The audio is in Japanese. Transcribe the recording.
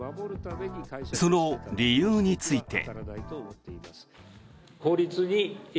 その理由について。